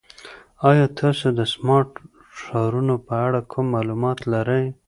ایا تاسو د سمارټ ښارونو په اړه کوم معلومات لرئ؟